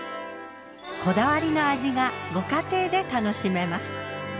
こだわりの味がご家庭で楽しめます。